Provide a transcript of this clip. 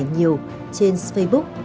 nhiều trên facebook